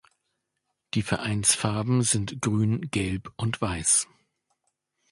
Die Vereinsfarben sind Grün, Gelb und Weiß.